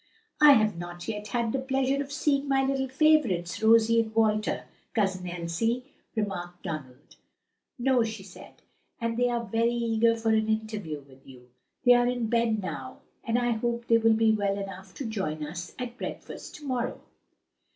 "I have not yet had the pleasure of seeing my little favorites, Rosie and Walter, Cousin Elsie," remarked Donald. "No," she said, "and they are very eager for an interview with you. They are in bed now, but I hope they will be well enough to join us at breakfast to morrow."